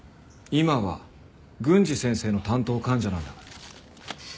今は郡司先生の担当患者なんだから。